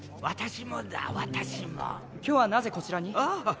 私も今日はなぜこちらに？